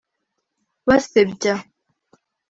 Basebya